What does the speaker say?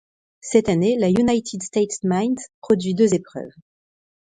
Cette année, la United States Mint produit deux épreuves.